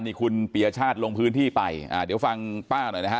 นี่คุณปียชาติลงพื้นที่ไปอ่าเดี๋ยวฟังป้าหน่อยนะฮะ